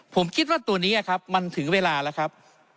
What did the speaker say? ผมคิดว่าตัวนี้ครับมันถึงเวลาแล้วครับ